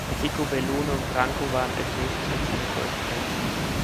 Zico, Bellone und Branco waren als nächste Schützen erfolgreich.